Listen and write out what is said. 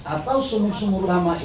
atau sumur sumur ramai